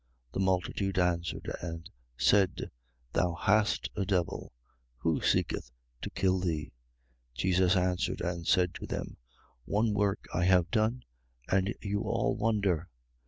The multitude answered and said: Thou hast a devil. Who seeketh to kill thee? 7:21. Jesus answered and said to them: One work I have done: and you all wonder.